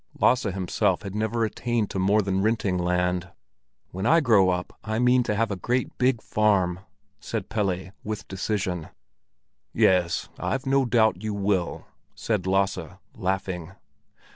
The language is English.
Lasse himself had never attained to more than renting land. "When I grow up, I mean to have a great big farm," said Pelle, with decision. "Yes, I've no doubt you will," said Lasse, laughing.